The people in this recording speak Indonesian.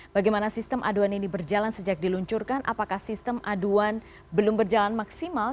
bagaimana sistem aduan ini berjalan sejak diluncurkan apakah sistem aduan belum berjalan maksimal